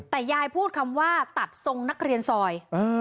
แต่ยายพูดคำว่าตัดทรงนักเรียนซอย